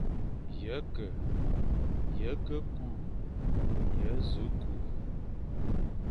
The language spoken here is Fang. Ye ke, ye ke kü, ye nẑu kü,